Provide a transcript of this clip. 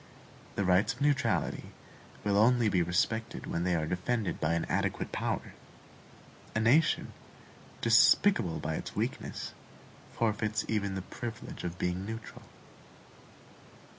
The rights of neutrality will only be respected when they are defended by an adequate power. A nation, despicable by its weakness, forfeits even the privilege of being neutral.